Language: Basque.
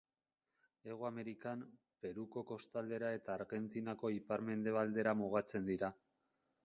Hego Amerikan, Peruko kostaldera eta Argentinako iparmendebaldera mugatzen dira.